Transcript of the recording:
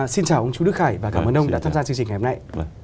xin chào ông chú đức khải và cảm ơn ông đã tham gia chương trình ngày hôm nay